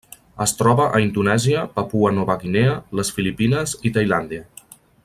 Es troba a Indonèsia, Papua Nova Guinea, les Filipines i Tailàndia.